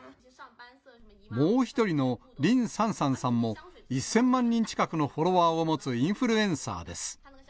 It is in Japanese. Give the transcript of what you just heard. もう一人の林珊珊さんも、１０００万人近くのフォロワーを持つインフルエンサーです。